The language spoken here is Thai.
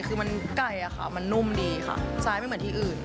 คือมันไก่อะค่ะมันนุ่มดีค่ะซ้ายไม่เหมือนที่อื่น